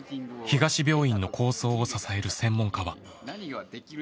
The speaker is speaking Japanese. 東病院の構想を支える専門家は。